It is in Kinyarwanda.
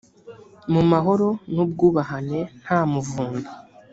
mu mahoro n ubwubahane nta muvundo